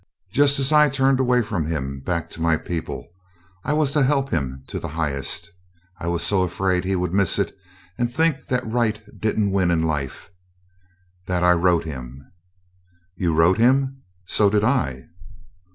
Just as I turned away from him, back to my people, I was to help him to the highest. I was so afraid he would miss it and think that Right didn't win in Life, that I wrote him " "You wrote him? So did I."